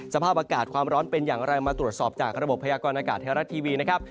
สภาพอากาศความร้อนเป็นอย่างไรมาตรวจสอบจากระบบพยากรณากาศไทยรัฐทีวีนะครับ